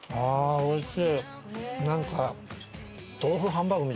おいしい？